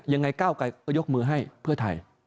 ยังไงก้าวไกลก็ยกมือให้เพื่อไทย